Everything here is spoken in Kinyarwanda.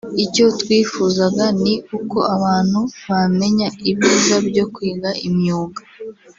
“Icyo twifuzaga ni uko abantu bamenya ibyiza byo kwiga imyuga